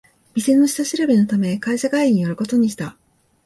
店の下調べのため会社帰りに寄ることにした